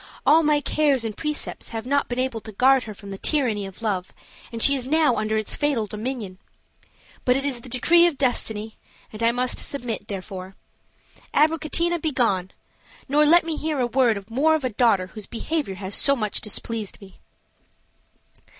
All my cares and precepts have not been able to guard her from the tyranny of love, and she is now under its fatal dominion. But it is the decree of destiny, and I must submit; therefore, Abricotina, begone! nor let me hear a word more of a daughter whose behavior has so much displeased me."